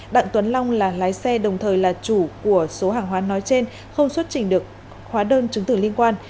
đặng tuấn long là lái xe đồng thời là chủ của số hàng hóa nói trên không xuất trình được hóa đơn chứng tử liên quan